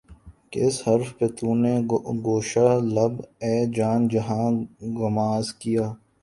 کس حرف پہ تو نے گوشۂ لب اے جان جہاں غماز کیا